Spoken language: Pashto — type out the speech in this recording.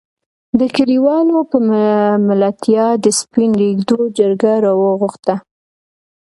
دې کليوالو په ملتيا د سپين ږېرو جرګه راوغښته.